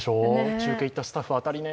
中継いったスタッフ、当たりね。